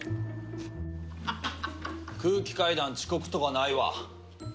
空気階段遅刻とかないわ。